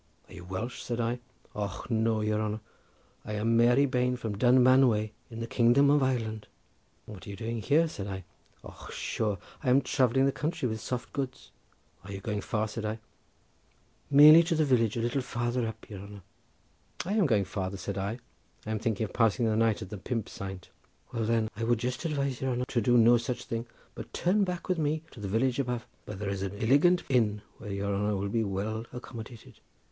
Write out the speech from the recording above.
"Are you Welsh?" said I. "Och no! your honour; I am Mary Bane from Dunmanway in the kingdom of Ireland." "And what are you doing here?" said I. "Och sure! I am travelling the country with soft goods." "Are you going far?" said I. "Merely to the village a little farther up, your honour." "I am going farther," said I; "I am thinking of passing the night at the 'Pump Saint.'" "Well, then, I would just advise your honour to do no such thing, but to turn back with me to the village above, where there is an illigant inn where your honour will be well accommodated."